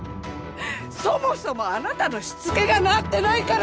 そもそもあなたのしつけがなってないから。